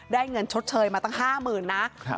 ได้เงินชดเชยมาตั้ง๕หมื่นนัก